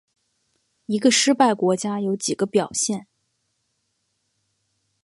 一个失败国家有几个表现。